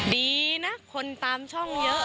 ดีนะคนตามช่องเยอะ